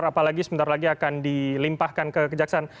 apalagi sebentar lagi akan dilimpahkan kekejaksaan